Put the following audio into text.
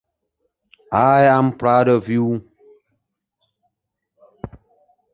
Historically, Saginaw was a railroad hub to the Pere Marquette Railway.